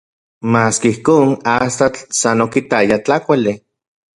Maski ijkon, astatl san okitaya tlakuali.